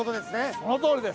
そのとおりです。